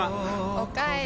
おかえり。